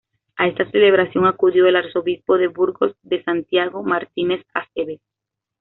A esta celebración acudió el Arzobispo de Burgos D. Santiago Martínez Acebes.